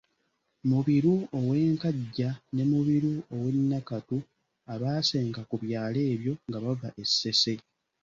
Mubiru ow’e Nkajja ne Mubiru ow’e Nakatu abaasenga ku byalo ebyo nga bava e Ssese.